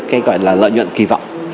cái gọi là lợi nhuận kỳ vọng